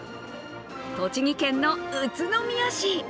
栃木県の宇都宮市。